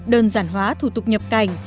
đơn giản hóa thủ tục nhập cảnh